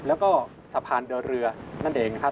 แล้วก็สะพานเดินเรือนั่นเองนะครับ